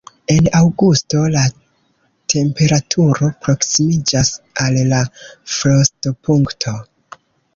En aŭgusto la temperaturo proksimiĝas al la frostopunkto.